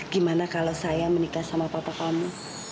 gimana kalau saya menikah sama papa kamu